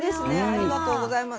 ありがとうございます。